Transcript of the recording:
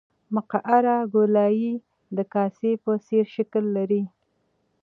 مقعر ګولایي د کاسې په څېر شکل لري